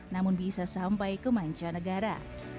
namun bisa sampai kemanca negara